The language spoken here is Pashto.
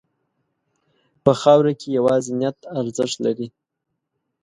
په خاوره کې یوازې نیت ارزښت لري.